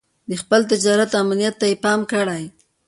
د خپل تجارت امنيت ته دې پام کړی.